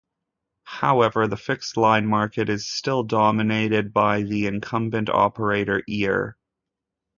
However, the fixed-line market is still dominated by the incumbent operator Eir.